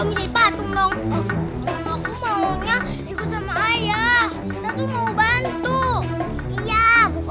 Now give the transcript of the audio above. aku maunya ikut sama ayah